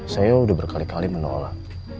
saya sudah berkali kali menolak